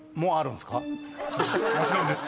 ［もちろんです。